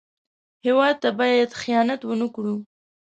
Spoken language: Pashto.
هېواد ته باید خیانت ونه کړو